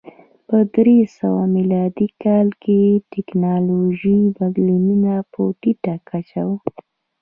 په درې سوه میلادي کال کې ټکنالوژیکي بدلونونه په ټیټه کچه و.